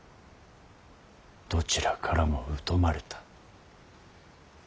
どちらからも疎まれた。